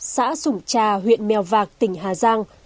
xã sủng trà huyện mèo vạc tỉnh hà giang